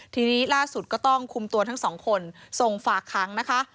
ทีนี้ล่าสุดก็ต้องคุมตัวทั้งสองคนส่งฝากค้างนะคะ